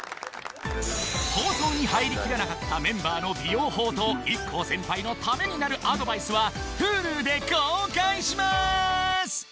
放送に入りきらなかったメンバーの美容法とＩＫＫＯ先輩のためになるアドバイスはＨｕｌｕで公開します！